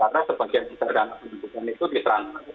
karena sebagian dari dana pendidikan itu di terang terang daerah